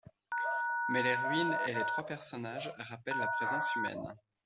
Mais les ruines et les trois personnages rappellent la présence humaine.